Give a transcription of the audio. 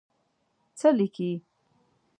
څه لیکې.